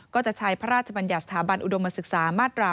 ก็จะใช้พระราชบัญญัติสถาบันอุดมศึกษามาตรา๑